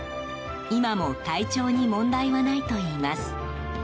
今も、体調に問題はないといいます。